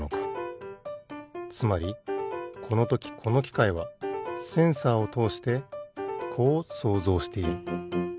つまりこのときこのきかいはセンサーをとおしてこう想像している。